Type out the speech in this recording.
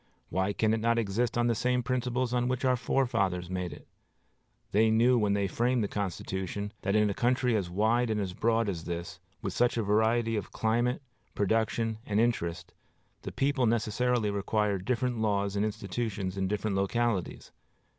Why can it not exist on the same principles on which our fathers made it? They knew when they framed the Constitution that in a country as wide and broad as this, with such a variety of climate, production, and interest, the people necessarily required different laws and institutions in different localities.